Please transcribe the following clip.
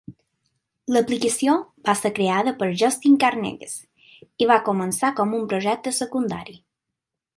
L'aplicació va ser creada per Justin Karneges i va començar com un projecte secundari.